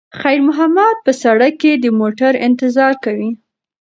خیر محمد په سړک کې د موټرو انتظار کوي.